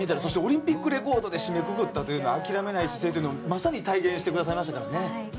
そしてオリンピックレコードで締めくくったというのは諦めない姿勢というのをまさに体現してくださいましたからね。